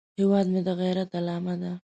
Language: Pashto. هیواد مې د غیرت علامه ده